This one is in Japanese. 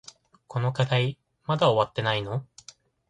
この課題まだ終わってないの？